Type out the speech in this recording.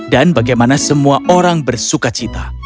dan bagaimana semua orang bersuka cita